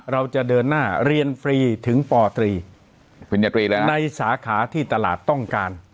เราจะเดินหน้าเรียนฟรีถึงป๓ในสาขาที่ตลาดต้องการ